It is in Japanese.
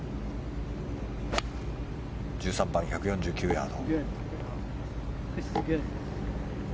１３番、１４９ヤード。